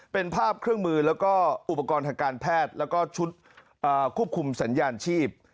เป็นภาพเครื่องมือแล้วก็อุปกรณ์ทางการแพทย์แล้วก็ชุดควบคุมสัญญาณชีพ